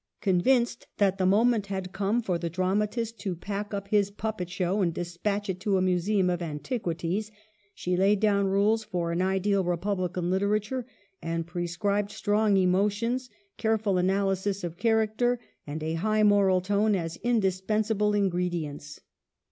Convinced that the moment had come for the dramatist to pack up his puppet show and de spatch it to a museum of antiquities, she laid down rules for ^n ideal republican literature, and prescribed strong emotions, careful analysis of j character, and a high moral tone as indispensa ble ingredients.